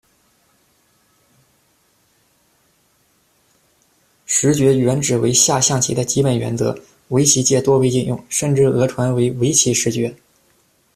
十诀原指为下象棋的基本原则，围棋界多有引用，甚至讹传为围棋十诀。